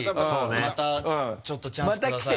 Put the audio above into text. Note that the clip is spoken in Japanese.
またちょっとチャンスください。